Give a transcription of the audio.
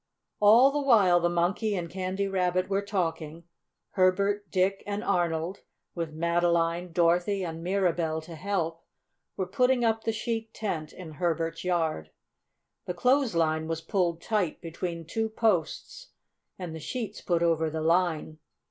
All the while the Monkey and Candy Rabbit were talking, Herbert, Dick and Arnold, with Madeline, Dorothy and Mirabell to help, were putting up the sheet tent in Herbert's yard. The clothesline was pulled tight between two posts and the sheets put over the line.